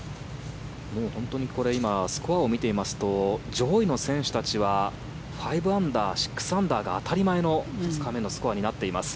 これ今スコアを見ていますと上位の選手たちは５アンダー６アンダーが当たり前の２日目のスコアになっています。